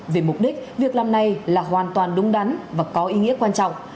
về mục đích việc làm này là hoàn toàn đúng đắn và có ý nghĩa quan trọng